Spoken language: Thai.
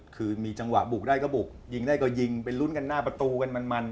คือมีจังหวะบุกได้ก็บุกยิงได้ก็ยิงไปลุ้นกันหน้าประตูกันมัน